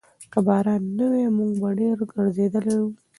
که باران نه وای، موږ به ډېر ګرځېدلي وو.